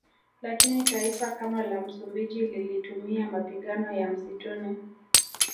Lakini taifa kama la Msumbiji lilitumia mapigano ya msituni